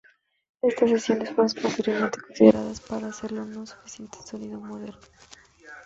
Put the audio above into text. Estas sesiones fueron posteriormente consideradas para ser lo no suficiente en sonido moderno.